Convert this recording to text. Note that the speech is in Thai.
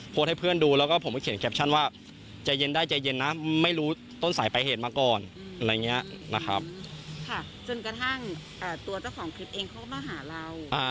จนกระทั่งตัวเจ้าของคลิปเองเขาก็มาหาเรา